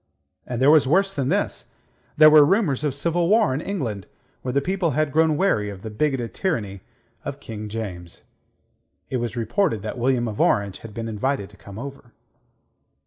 And there was worse than this: there were rumours of civil war in England, where the people had grown weary of the bigoted tyranny of King James. It was reported that William of Orange had been invited to come over.